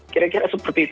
kira kira seperti itu